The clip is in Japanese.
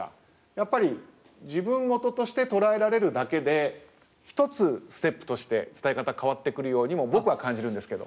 やっぱり「自分ごと」として捉えられるだけで一つステップとして伝え方変わってくるようにも僕は感じるんですけど。